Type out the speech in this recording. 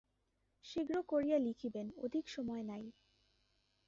শীঘ্র করিয়া লিখিবেন অধিক সময় নাই।